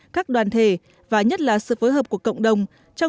các đoàn thể và nhất là sự phối hợp của cộng đồng